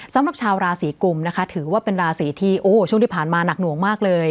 สำหรับชาวราศีกุมนะคะถือว่าเป็นราศีที่โอ้โหช่วงที่ผ่านมาหนักหน่วงมากเลย